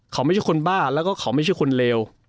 เขาไม่ใช่คนบ้าแล้วก็เขาไม่ใช่คนเลว